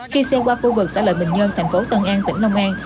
khi xe qua khu vực xã lợi bình nhơn thành phố tân an tỉnh long an